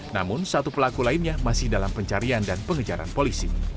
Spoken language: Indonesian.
namun satu pelaku lainnya masih dalam pencarian dan pengejaran polisi